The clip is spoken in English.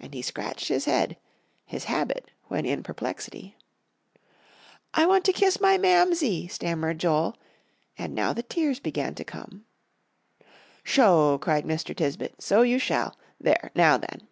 and he scratched his head, his habit when in perplexity. "I want to kiss my Mamsie," stammered Joel, and now the tears began to come. "Sho!" cried Mr. Tisbett, "so you shall. There. Now then!"